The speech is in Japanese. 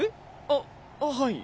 ああっはい。